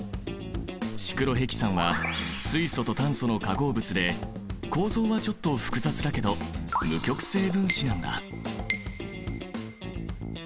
シクロヘキサンは水素と炭素の化合物で構造はちょっと複雑だけど無極性分子なんだ。